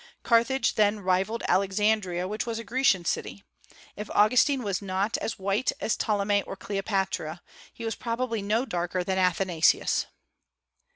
Carthage then rivalled Alexandria, which was a Grecian city. If Augustine was not as white as Ptolemy or Cleopatra, he was probably no darker than Athanasius.